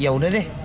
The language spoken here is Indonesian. ya udah deh